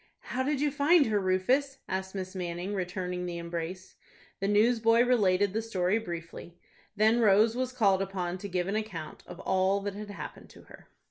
"How did you find her, Rufus?" asked Miss Manning, returning the embrace. The newsboy related the story briefly. Then Rose was called upon to give an account of all that had happened to her.